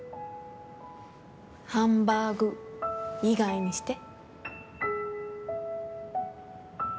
ハンバーグ以外にして。